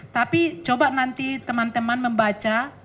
tapi coba nanti teman teman membaca